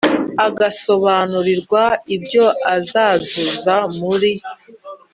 agasobanurirwa ibyo azazuza muri